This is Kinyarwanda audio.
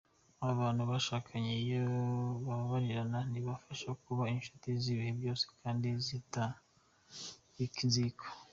Abantu bashakanye iyo bababarirana bibafasha kuba inshuti z’ibihe byose kandi zitabika inzika.